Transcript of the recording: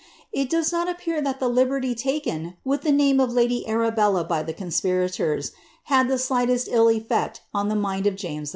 It does not appear that the liberty taken with the name of lady Arabella by the conspirators, had the slightest ill eflect on the mind of James I.